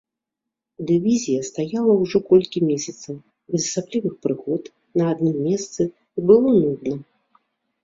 Дывізія стаяла ўжо колькі месяцаў, без асаблівых прыгод, на адным месцы, і было нудна.